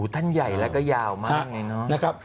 ท่านใหญ่แล้วก็ยาวมากเลยเนอะ